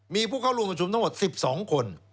มีผู้เข้าร่วมประชุมทั้งหมด๑๒คน